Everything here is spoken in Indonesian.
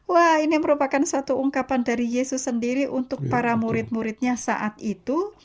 wah ini merupakan satu ungkapan dari yesus sendiri untuk para murid muridnya saat itu